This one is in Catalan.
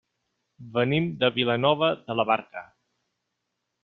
Venim de Vilanova de la Barca.